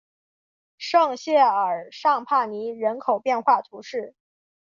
圣谢尔尚帕尼人口变化图示